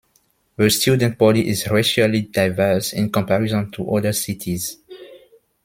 The student body is racially diverse in comparison to other cities.